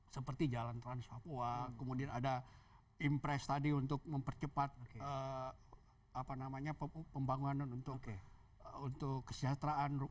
seperti jalan trans papua kemudian ada impres tadi untuk mempercepat pembangunan untuk kesejahteraan